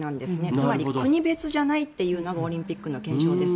つまり国別じゃないというのがオリンピックの憲章です。